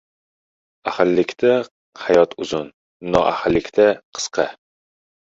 • Ahillikda hayot uzun, noahillikda ― qisqa.